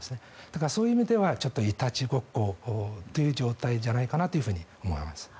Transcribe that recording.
だから、そういう意味ではいたちごっこという状態じゃないかなと思います。